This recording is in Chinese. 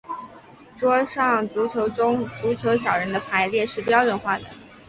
桌上足球中足球小人的排列是标准化的。